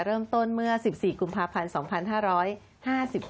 เริ่มต้นเมื่อ๑๔กุมภาพันธ์๒๕๕๙